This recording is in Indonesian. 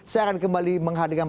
saya akan kembali menghadirkan